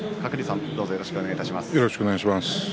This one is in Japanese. よろしくお願いします。